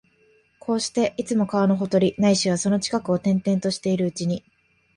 こうして、いつも川のほとり、ないしはその近くを転々としているうちに、